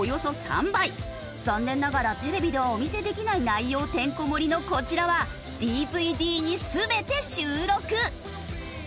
残念ながらテレビではお見せできない内容てんこ盛りのこちらはＤＶＤに全て収録！